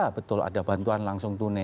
ya betul ada bantuan langsung tunai